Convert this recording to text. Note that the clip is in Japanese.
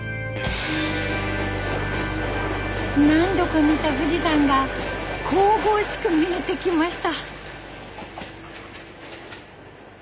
何度か見た富士山が神々しく見えてきました。